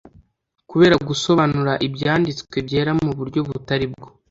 Kubera gusobanura Ibyanditswe byera mu buryo butari bwo,